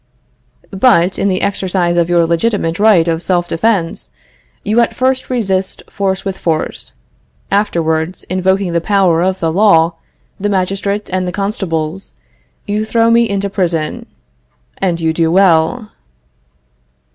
But, in the exercise of your legitimate right of self defense, you at first resist force with force; afterwards, invoking the power of the law, the magistrate, and the constables, you throw me into prison and you do well.